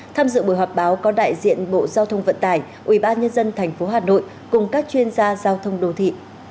tham dự buổi họp báo có đại diện bộ giao thông vận tải ủy ban nhân dân tp hà nội cùng các chuyên gia giao thông đô thị